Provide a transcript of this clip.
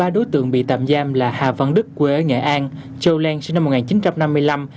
ba đối tượng bị tạm giam là hà văn đức quê ở nghệ an châu lan sinh năm một nghìn chín trăm năm mươi năm